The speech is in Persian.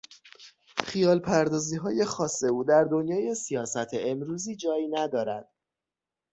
خیال پردازیهای خاص او در دنیای سیاست امروزی جایی ندارد.